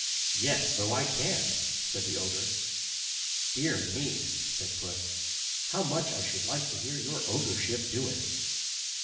"Yes, so I can," said the ogre. "Dear me," said Puss, "how much I should like to see your ogreship do it."